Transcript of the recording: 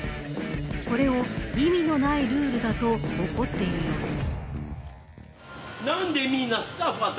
これを意味のないルールだと怒っているようです。